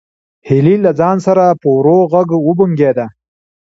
هیلې له ځان سره په ورو غږ وبونګېده.